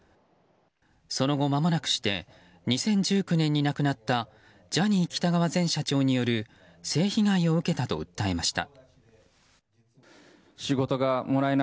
その後、まもなくして２０１９年に亡くなったジャニー喜多川前社長による性被害を受けたと訴えました。